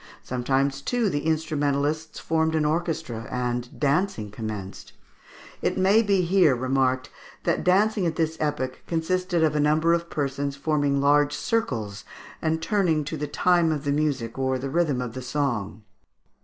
Sometimes, too, the instrumentalists formed an orchestra, and dancing commenced. It may be here remarked that dancing at this epoch consisted of a number of persons forming large circles, and turning to the time of the music or the rhythm of the song.